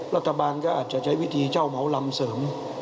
รัฐบาลก็อาจจะใช้วิธีเช่าเหมาลำเสริม